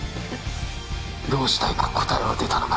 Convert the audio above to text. どうしたいか答えは出たのか？